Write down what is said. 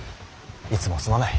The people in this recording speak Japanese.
いつもすまない。